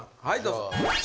はいどうぞ！